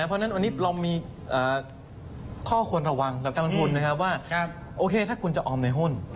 เพราะฉะนั้นวันนี้เรามีข้อควรระวังกับการลงทุนนะครับว่าโอเคถ้าคุณจะออมในหุ้น